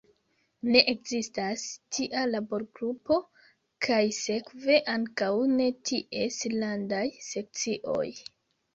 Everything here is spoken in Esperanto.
Ne ekzistas tia laborgrupo kaj sekve ankaŭ ne ties landaj sekcioj.